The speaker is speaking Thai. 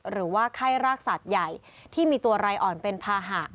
หรือว่าไข้รากสัตว์ใหญ่ที่มีตัวไรอ่อนเป็นภาหะ